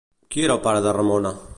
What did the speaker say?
Qui era el pare de Ramona?